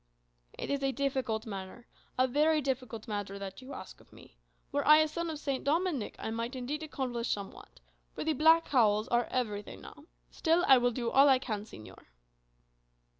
"It is a difficult matter, a very difficult matter that you ask of me. Were I a son of St. Dominic, I might indeed accomplish somewhat. For the black cowls are everything now. Still, I will do all I can, señor."